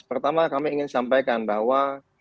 pertama kami ingin sampaikan bahwa